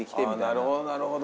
あっなるほどなるほど。